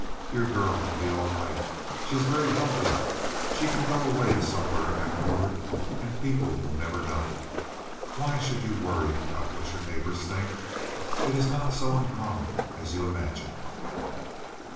Your girl will be all right. She is very healthy. She can go away somewhere afterward, and people will never know. Why should you worry about what your neighbors think. It is not so uncommon as you imagine."